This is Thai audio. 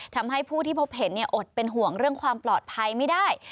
ทำให้ผู้ที่พบเห็นอดเป็นห่วงเรื่องความปลอดภัยไม่ได้